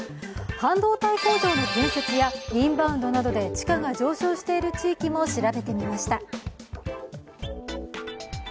半導体工場の建設やインバウンドなどで地価が上昇している地域も調べてみました。